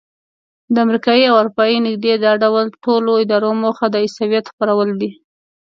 د امریکایي او اروپایي نږدې دا ډول ټولو ادارو موخه د عیسویت خپرول دي.